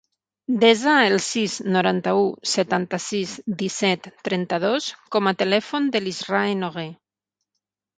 Desa el sis, noranta-u, setanta-sis, disset, trenta-dos com a telèfon de l'Israe Noguer.